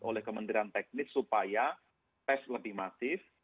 oleh kementerian teknik supaya tes lebih matif